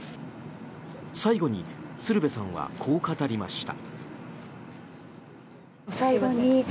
最後に鶴瓶さんはこう語りました。